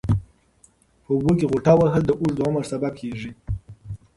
په اوبو کې غوټه وهل د اوږد عمر سبب کېږي.